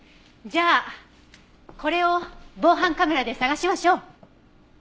じゃあこれを防犯カメラで捜しましょう！